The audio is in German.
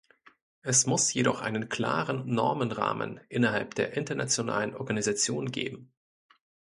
Es muss jedoch einen klaren Normenrahmen innerhalb der internationalen Organisationen geben.